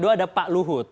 ada pak luhut